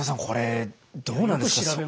これどうなんでしょう？